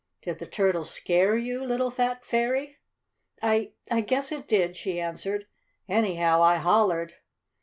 Did the turtle scare you, little fat fairy?" "I I guess it did," she answered. "Anyhow I hollered."